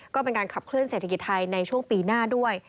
ก็เป็นการขับเคลื่อเศรษฐกิจไทยในช่วงปีหน้าด้วย